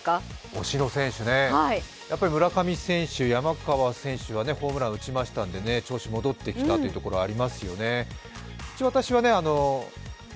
推しの選手ね、村上選手山川選手はホームラン打ちましたので調子戻ってきたところがありますよね。